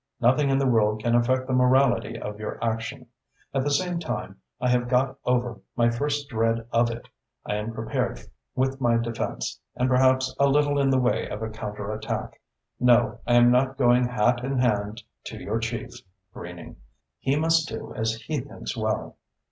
Nothing in the world can affect the morality of your action. At the same time, I have got over my first dread of it. I am prepared with my defence, and perhaps a little in the way of a counterattack. No, I am not going hat in hand to your chief, Greening. He must do as he thinks well."